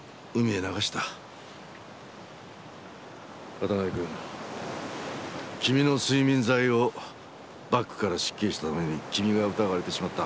渡辺君君の睡眠剤をバッグから失敬したために君が疑われてしまった。